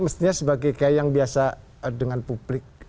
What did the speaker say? mestinya sebagai kayak yang biasa dengan publik